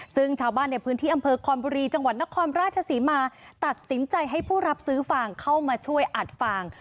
ซึ่งชาวบ้านในพื้นที่อำเภอคอนบุรีจังหวัดนครราชศรีมาตัดสินใจให้ผู้รับซื้อฟางเข้ามาช่วยอัดฟาง